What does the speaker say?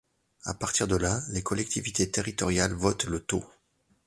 À partir de là, les collectivités territoriales votent le taux.